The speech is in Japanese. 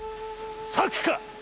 策か。